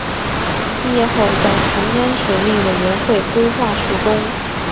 毕业后在长江水利委员会规划处工。